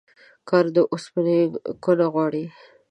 کار د اوسپني کونه غواړي.